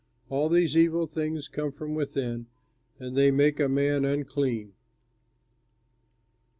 All these evil things come from within, and they make a man unclean."